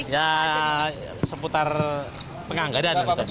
ya seputar penganggaran